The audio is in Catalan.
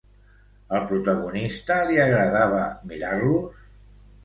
Al protagonista li agradava mirar-los?